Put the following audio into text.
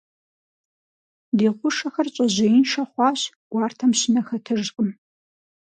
Ди хъушэхэр щӀэжьеиншэ хъуащ, гуартэм щынэ хэтыжкъым.